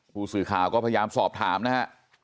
ผู้สื่อข่าวก็พยายามสอบถามนะฮะ